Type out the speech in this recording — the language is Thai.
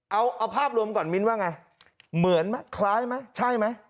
เอาเอาภาพรวมก่อนมิ้นว่าไงเหมือนไหมคล้ายไหมใช่ไหม